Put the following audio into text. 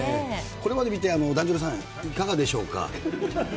これまで見て、團十郎さん、いかがでしょうか。